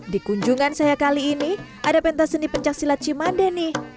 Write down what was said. di kunjungan saya kali ini ada pentas seni pencaksilat cimande nih